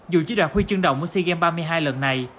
dù chỉ đoạt huy chương động ở sea games ba mươi hai lần này